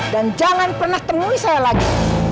jangan pernah temui saya lagi